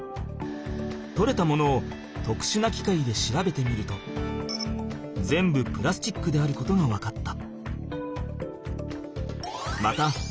とれたものをとくしゅなきかいで調べてみると全部プラスチックであることが分かった。